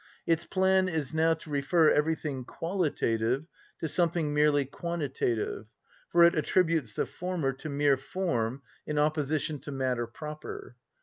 Its plan is now to refer everything qualitative to something merely quantitative, for it attributes the former to mere form in opposition to matter proper.